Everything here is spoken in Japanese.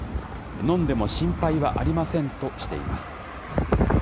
飲んでも心配はありませんとしています。